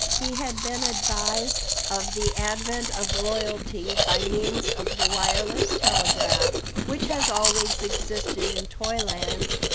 He had been advised of the advent of royalty by means of the wireless telegraph, which has always existed in Toyland.